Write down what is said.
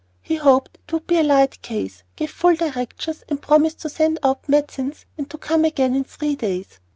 He hoped it would be a light case, gave full directions, and promised to send out medicines and to come again in three days.